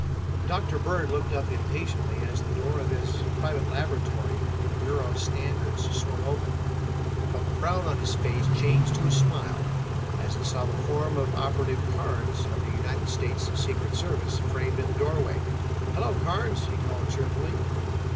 ] Dr. Bird looked up impatiently as the door of his private laboratory in the Bureau of Standards swung open, but the frown on his face changed to a smile as he saw the form of Operative Carnes of the United States Secret Service framed in the doorway. "Hello, Carnes," he called cheerfully.